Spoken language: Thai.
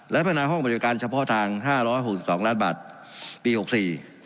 และพัฒนาห้องบริวิการเฉพาะทาง๕๖๒ล้านบาทปี๖๔